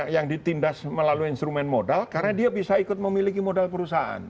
yang ditindas melalui instrumen modal karena dia bisa ikut memiliki modal perusahaan